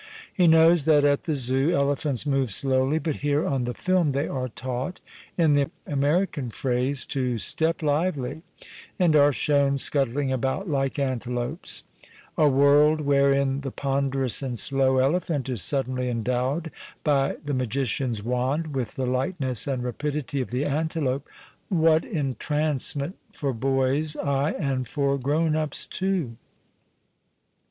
He knows that at the Zoo elephants move slowly, but here on the film they arc taught, in the American phrase, to " step lively," and are shown scuttling about like antelopes, A world wherein the ponderous and slow elephant is suddenly endowed by the magician's wand with the lightness and rapidity of the antelope — what entrancemcnt for boys, aye, and for grown ups too